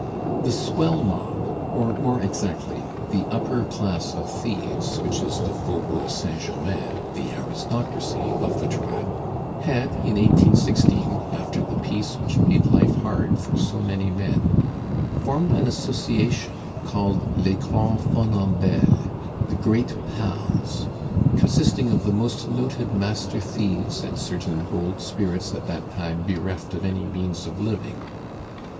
The swell mob, or more exactly, the upper class of thieves, which is the Faubourg Saint Germain, the aristocracy of the tribe, had, in 1816, after the peace which made life hard for so many men, formed an association called les grands fanandels the Great Pals consisting of the most noted master thieves and certain bold spirits at that time bereft of any means of living.